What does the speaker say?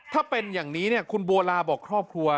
ถ้าเป็นอย่างนี้คุณบัวลาบอกครอบครัว